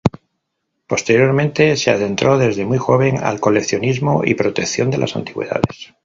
Posteriormente se adentró desde muy joven al coleccionismo y protección de las antigüedades.